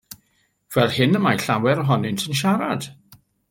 Fel hyn y mae llawer ohonynt yn siarad.